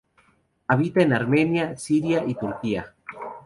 Habita en Armenia, Siria y Turquía.